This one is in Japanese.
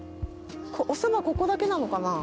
おそばここだけなのかな。